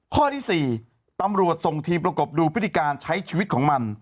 ข้อที่๔ตำรวจส่งทีมประกบดูพฤติการใช้ชีวิตของมัน